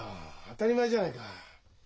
当たり前じゃないか。